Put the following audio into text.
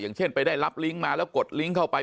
เช่นไปได้รับลิงก์มาแล้วกดลิงก์เข้าไป